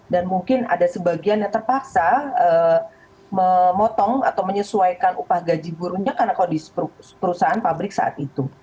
dan mungkin ada sebagian yang terpaksa memotong atau menyesuaikan upah gaji buruhnya karena kalau di perusahaan pabrik saat itu